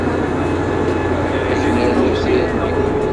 Ad k-nernu tirni.